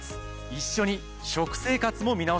一緒に食生活も見直しては？